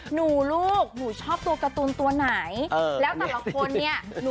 หนูลูกหนูชอบตัวการ์ตูนตัวไหน